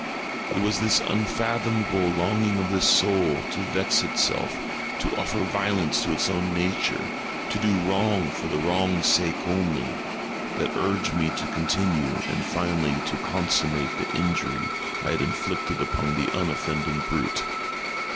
It was this unfathomable longing of the soul to vex itself—to offer violence to its own nature—to do wrong for the wrong's sake only—that urged me to continue and finally to consummate the injury I had inflicted upon the unoffending brute.